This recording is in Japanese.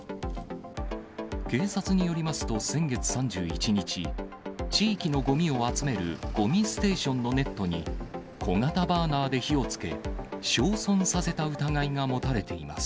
警察によりますと先月３１日、地域のごみを集めるごみステーションのネットに、小型バーナーで火をつけ、焼損させた疑いが持たれています。